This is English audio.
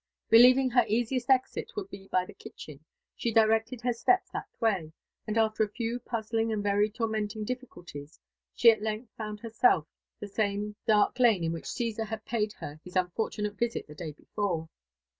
Believing her easiest exit would be by the kitchen, sbe directed her steps that way, and after n few puzzling and very tormenting difflculties, she at length found herseff the same dark lane in which Csesar had paid her his unfortunate visit the day before.